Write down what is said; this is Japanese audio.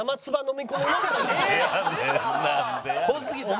小杉さん！